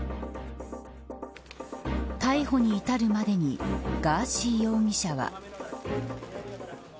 逮捕に至るまでにガーシー容疑者は。